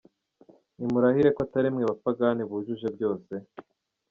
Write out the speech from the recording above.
Ni murahire ko atarimwe bapagani bujuje byose?